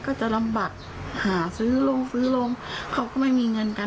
ก็จะลำบากหาซื้อลงซื้อลงเขาก็ไม่มีเงินกัน